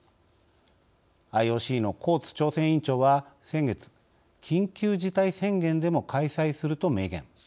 ＩＯＣのコーツ調整委員長は先月「緊急事態宣言でも開催する」と明言。